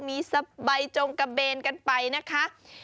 มีสบายจงกระเบนกันไปนะคะ